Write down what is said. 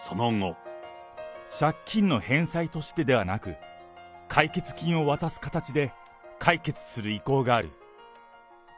借金の返済としてではなく、解決金を渡す形で解決する意向がある。